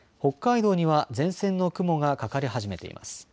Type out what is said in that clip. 北海道には前線の雲がかかり始めています。